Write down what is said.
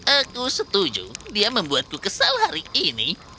aku setuju dia membuatku kesal hari ini